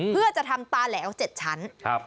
เพื่อจะทำตาแหลว๗ชั้น